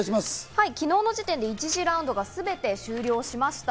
昨日の時点で１次ラウンドが全て終了しました。